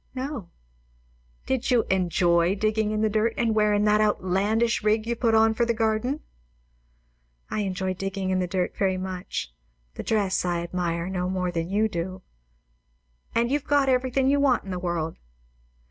"No." "You enjoy digging in the dirt and wearin' that outlandish rig you put on for the garden?" "I enjoy digging in the dirt very much. The dress I admire no more than you do." "And you've got everythin' you want in the world?"